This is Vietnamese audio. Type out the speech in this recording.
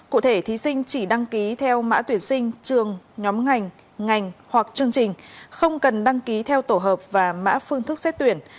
cụ thể thí sinh chỉ đăng ký theo mã tuyển sinh trường nhóm ngành ngành hoặc chương trình không cần đăng ký theo tổ hợp và mã phương thức xét tuyển